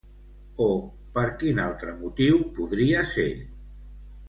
O per quin altre motiu podria ser?